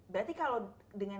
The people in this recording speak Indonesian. berarti kalau dengan